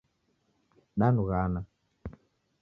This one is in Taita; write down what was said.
Danughana